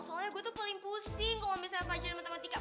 soalnya gue tuh paling pusing kalau misalnya pelajaran matematika